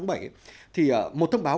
là chưa hợp lý